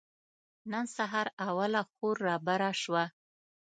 نن سهار اوله خور رابره شوه.